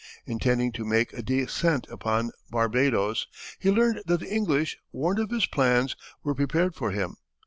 Intending to make a descent upon Barbadoes, he learned that the English, warned of his plans, were prepared for him.